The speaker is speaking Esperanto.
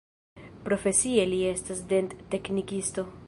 Profesie li estas dent-teknikisto.